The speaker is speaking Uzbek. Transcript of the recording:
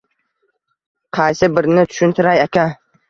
Qaysi birini tushuntiray, aka